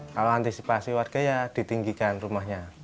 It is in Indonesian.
kalau antisipasi warga ya ditinggikan rumahnya